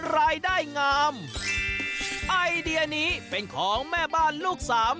รายได้งามไอเดียนี้เป็นของแม่บ้านลูกสาม